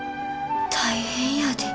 大変やで。